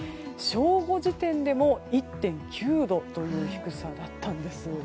正午時点でも１．９度という低さだったんです。